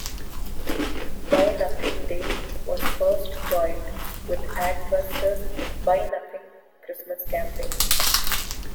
Buy Nothing Day was first joined with Adbuster's Buy Nothing Christmas campaign.